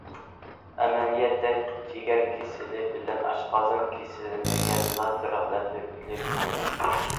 ئەمەلىيەتتە جىگەر كېسىلى بىلەن ئاشقازان كېسىلىنى يەنىلا پەرقلەندۈرگىلى بولىدۇ.